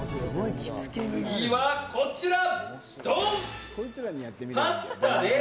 次はこちら。